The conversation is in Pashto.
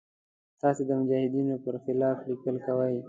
تاسې د مجاهدینو پر خلاف لیکل کوئ.